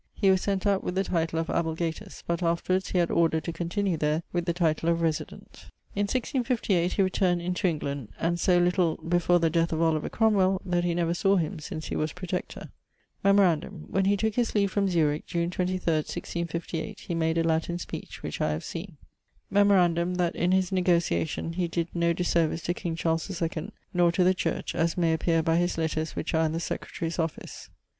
He was sent out with the title of ablegatus, but afterwards he had order to continue there with the title of Resident. In 1658 he returned into England and so little before the death of Oliver Cromwell that he never sawe him since he was Protector. Memorandum when he tooke his leave from Zurich, June 23, 1658, he made a Latin speech, which I have seen. Memorandum that in his negociation he did no disservice to King Charles IIᵈ, nor to the church, as may appeare by his letters which are in the Secretarie's Office.